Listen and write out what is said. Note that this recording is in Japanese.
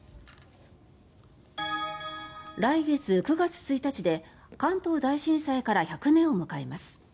来月９月１日で関東大震災から１００年を迎えます。